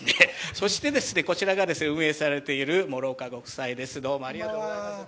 そしてこちらが運営されている諸岡ご夫妻です